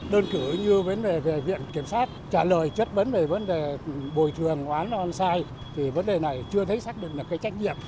đơn cử như vấn đề về viện kiểm soát trả lời chất vấn về vấn đề bồi trường oán on site thì vấn đề này chưa thấy xác định được cái trách nhiệm